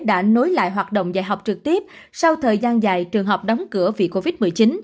đã nối lại hoạt động dạy học trực tiếp sau thời gian dài trường học đóng cửa vì covid một mươi chín